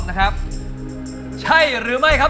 กรุงเทพหมดเลยครับ